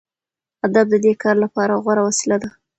ادب د دې کار لپاره غوره وسیله ده.